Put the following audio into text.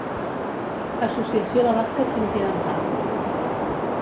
Associació de Bàsquet Continental